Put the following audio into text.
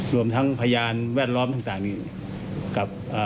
รวมทั้งพยานแวดล้อมต่างนี่กับ